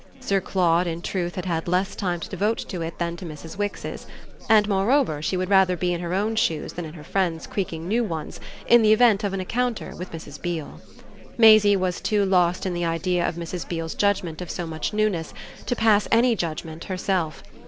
Sir Claude in truth had had less time to devote to it than to Mrs. Wix's; and moreover she would rather be in her own shoes than in her friend's creaking new ones in the event of an encounter with Mrs. Beale. Maisie was too lost in the idea of Mrs. Beale's judgement of so much newness to pass any judgement herself.